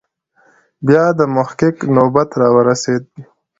بیا د محقق نوبت راورسېد.